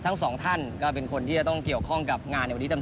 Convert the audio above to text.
ทั้งสองท่านก็เป็นคนที่จะต้องเกี่ยวข้องกับงานในวันนี้เต็ม